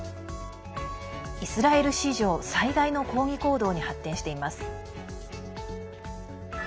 イスラエル史上最大の抗議行動に発展しています。